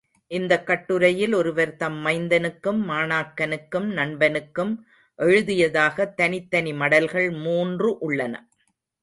இந்தக் கட்டுரையில், ஒருவர் தம் மைந்தனுக்கும், மாணாக்கனுக்கும், நண்பனுக்கும் எழுதியதாகத் தனித் தனி மடல்கள் மூன்று உள்ளன.